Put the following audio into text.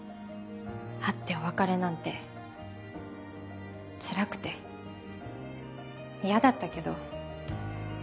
会ってお別れなんてつらくて嫌だったけど。